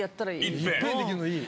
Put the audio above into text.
・いっぺんにできるのいい・